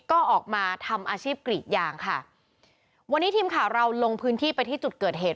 ก็ออกมาทำอาชีพกรีดยางค่ะวันนี้ทีมข่าวเราลงพื้นที่ไปที่จุดเกิดเหตุ